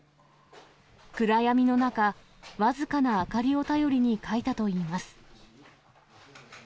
暗闇の中、僅かな明かりを頼りに書いたといいます。